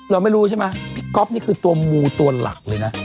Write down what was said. เราไม่รู้ใช่ไหมพี่ก๊อฟนี่คือตัวมูตัวหลักเลยนะ